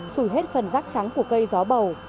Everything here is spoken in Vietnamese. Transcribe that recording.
sủi hết phần rác trắng của cây gió bầu